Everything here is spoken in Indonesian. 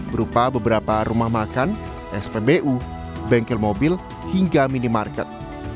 berupa beberapa rumah makan spbu bengkel mobil hingga minimarket